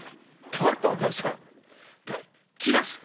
変わったお客様が来ます。